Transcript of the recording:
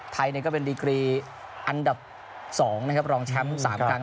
ไทยก็เป็นดีกรีอันดับ๒นะครับรองแชมป์๓ครั้ง